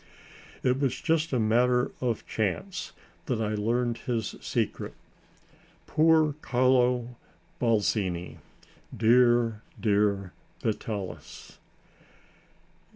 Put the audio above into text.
It was just a matter of chance that I learned his secret." Poor Carlo Balzini; dear, dear Vitalis!